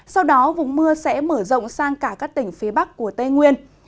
sau đó vùng mưa sẽ mở rộng sang cả các tỉnh phía bắc của tây nguyên